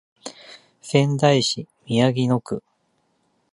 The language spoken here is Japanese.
仙台市宮城野区